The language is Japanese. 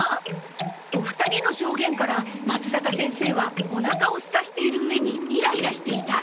お二人の証言からまつざか先生はおなかをすかせている上にイライラしていた。